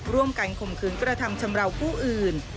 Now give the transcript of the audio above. ร่วมกันคมคืนกฎธรรมชำระผู้อื่น